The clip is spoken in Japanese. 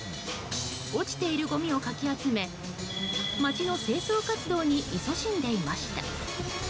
落ちているごみをかき集め街の清掃活動にいそしんでいました。